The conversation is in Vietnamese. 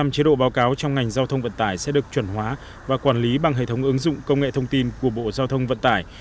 một trăm linh chế độ báo cáo trong ngành giao thông vận tải sẽ được chuẩn hóa và quản lý bằng hệ thống ứng dụng công nghệ thông tin của bộ giao thông vận tải